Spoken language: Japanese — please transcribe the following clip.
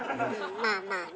まあまあね。